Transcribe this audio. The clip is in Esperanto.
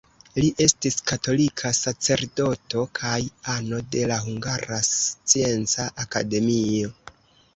Li estis katolika sacerdoto kaj ano de la Hungara Scienca Akademio.